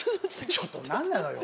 ちょっと何なのよ。